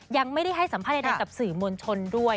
ยังไม่ได้ให้สัมภาษณ์ใดกับสื่อมวลชนด้วย